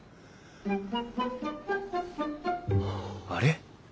あれ？